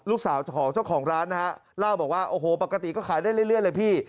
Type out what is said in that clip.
ลูกสาวของเจ้าของร้านนะฮะเล่าบอกว่าโอ้โหปกติก็ขายได้เรื่อยเลยพี่